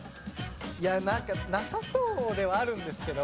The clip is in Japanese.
いやなんかなさそうではあるんですけど。